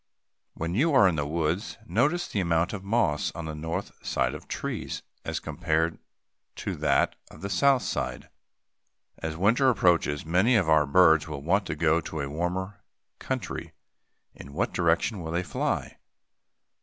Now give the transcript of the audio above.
When you are in the woods, notice the amount of moss on the north side of trees as compared to that on the south side. As winter approaches; many of our birds will want to go to a warmer country; in what direction will they fly?